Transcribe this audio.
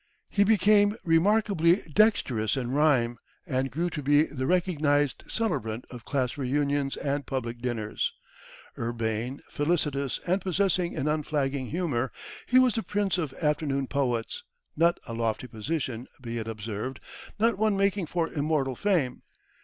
He became remarkably dexterous in rhyme, and grew to be the recognized celebrant of class reunions and public dinners. Urbane, felicitous and possessing an unflagging humor, he was the prince of after dinner poets not a lofty position, be it observed, nor one making for immortal fame.